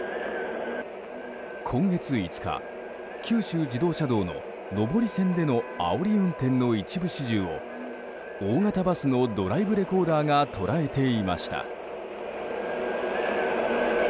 今月５日九州自動車道の上り線でのあおり運転の一部始終を大型バスのドライブレコーダーが捉えていました。